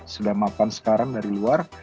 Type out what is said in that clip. sudah makan sekarang dari luar